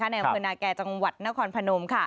ในคุณาแก่จังหวัดนครพนม